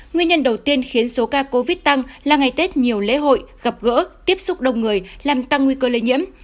nguyên nhân đầu tiên khiến số ca covid tăng là ngày tết nhiều lễ hội gặp gỡ tiếp xúc đông người làm tăng nguy cơ lây nhiễm